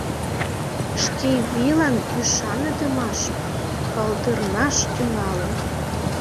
Шке вийлан ӱшаныдымаш палдырнаш тӱҥалын.